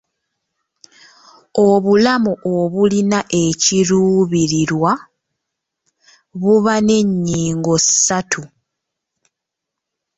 Obulamu obulina ekiruubirirwa buba n'ennyingo ssatu